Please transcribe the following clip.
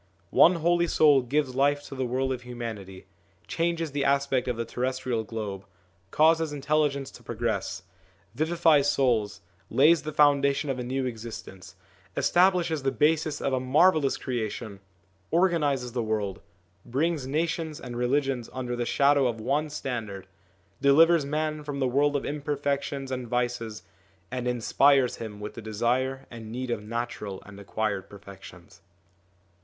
One Holy Soul gives life to the world of humanity, changes the aspect of the terrestrial globe, causes intelli gence to progress, vivifies souls, lays the founda tion of a new existence, establishes the basis of a marvellous creation, organises the world, brings nations and religions under the shadow of one standard, delivers man from the world of imperfections and vices, and inspires him with the desire and need of natural and acquired perfections.